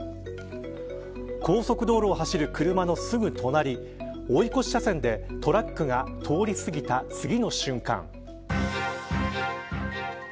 高速道路を走る車のすぐ隣追い越し車線でトラックが通り過ぎた次の瞬間。